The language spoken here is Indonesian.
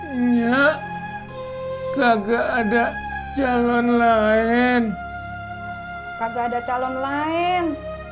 enyak kagak ada calon lain kagak ada calon lain